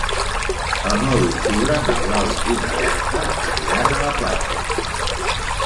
El nou d'octubre na Blau i na Berta aniran a la platja.